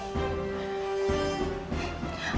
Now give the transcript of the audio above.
aku mau ngerti